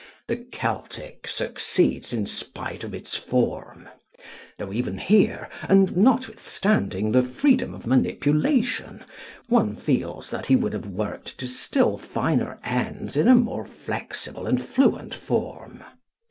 The 'Keltic' succeeds in spite of its form, ... though even here, and notwithstanding the freedom of manipulation, one feels that he would have worked to still finer ends in a more flexible and fluent form.